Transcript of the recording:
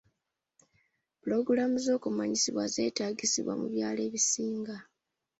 Pulogulaamu z'okumanyisibwa zeetagisibwa mu byalo ebisinga.